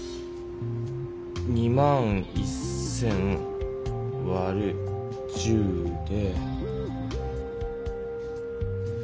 ２１０００わる１０で。